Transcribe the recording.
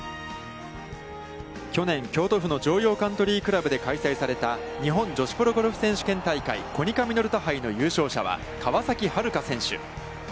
去年、京都府の城陽カントリー倶楽部で開催された日本女子プロゴルフ選手権大会コニカミノルタ杯の優勝者は、川崎春花選手。